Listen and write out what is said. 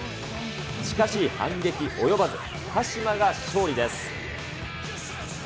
しかし、反撃及ばず、鹿島が勝利です。